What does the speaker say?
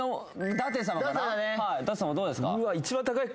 舘様どうですか？